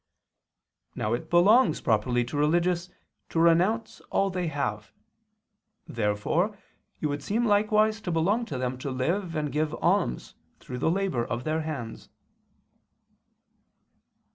Now it belongs properly to religious to renounce all they have. Therefore it would seem likewise to belong to them to live and give alms through the labor of their hands.